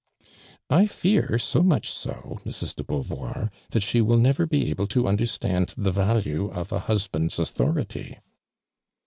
'• I fear, so nuich so, Mrs. de Beauvoii', that she will never be at)le to understand the value of a husband's authority